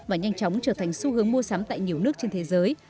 và nhanh chóng trở thành xu hướng mua sắm tại nhiều nước trên thế giới